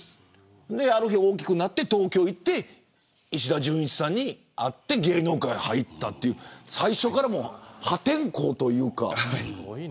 ある日、大きくなって東京に行って石田純一さんに会って芸能界に入ったという最初から破天荒というか。